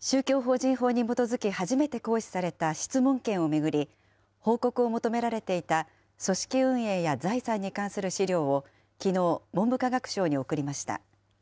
宗教法人法に基づき初めて行使された質問権を巡り、報告を求められていた組織運営や財産に関する資料をきのう、文部科学省に送りました。